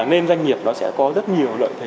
nên doanh nghiệp nó sẽ có rất nhiều lợi thế